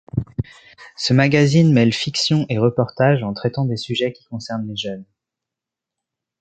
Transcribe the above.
Ce magazine mêle fiction et reportage en traitant des sujets qui concernent les jeunes.